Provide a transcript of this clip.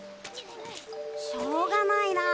しょうがないなぁ。